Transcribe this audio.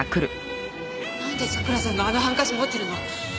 なんで咲良さんがあのハンカチ持ってるの？